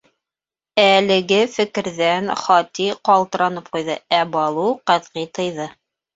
Әлеге фекерҙән Хати ҡалтыранып ҡуйҙы, ә Балу ҡәтғи тыйҙы: